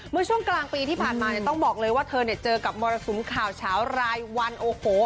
เมื่อช่วงกลางปีที่ผ่านมาเนี่ยต้องบอกเลยว่าเธอเนี่ยเจอกับมรสุมข่าวเช้ารายวันโอ้โห